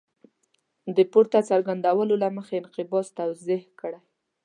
د پورته څرګندونو له مخې انقباض توضیح کړئ.